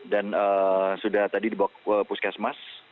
dan sudah tadi dibawa ke puskesmas